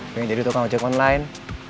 pengen jadi tukang ojek online